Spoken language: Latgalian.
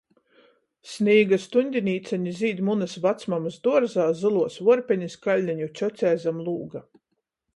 Snīga stuņdinīceni zīd munys vacmamys duorzā, zyluos vuorpenis Kaļneņu cjocei zam lūga.